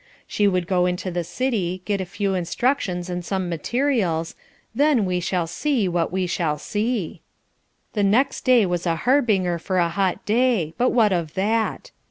She would go into the city, get a few instructions and some materials, "then we shall see what we shall see." The next day was a harbinger for a hot day; but what of that?